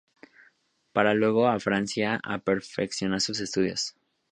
Pasó luego a Francia a perfeccionar sus estudios.